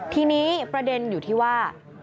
ทีนี้ประเด็นอยู่ที่ว่า